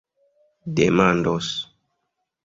demandos